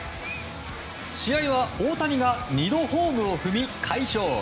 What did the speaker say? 試合は大谷が２度ホームを踏み、快勝。